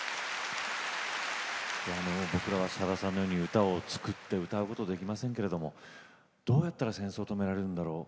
僕らはさださんのように歌を作って歌うことができませんがどうやったら戦争を止められるんだろう。